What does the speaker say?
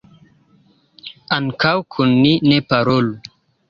Ankaŭ kun ni ne parolu.